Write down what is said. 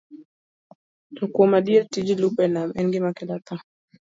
To kuom adier, tij lupo e nam en gima kelo tho.